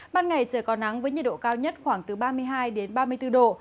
ban ngày trời có nắng với nhiệt độ cao nhất khoảng từ ba mươi hai ba mươi bốn độ